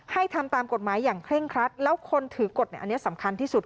ทำตามกฎหมายอย่างเคร่งครัดแล้วคนถือกฎอันนี้สำคัญที่สุด